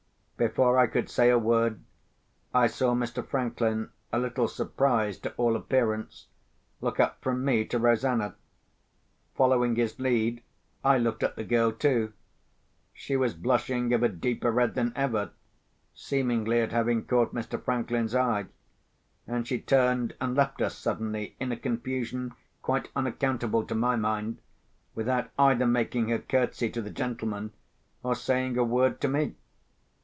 Before I could say a word, I saw Mr. Franklin, a little surprised to all appearance, look up from me to Rosanna. Following his lead, I looked at the girl too. She was blushing of a deeper red than ever, seemingly at having caught Mr. Franklin's eye; and she turned and left us suddenly, in a confusion quite unaccountable to my mind, without either making her curtsey to the gentleman or saying a word to me.